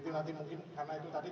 jadi nanti mungkin karena itu tadi